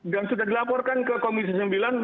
sudah dilaporkan ke komisi sembilan